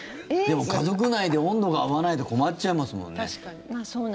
でも家族内で温度が合わないと困っちゃいますもんね。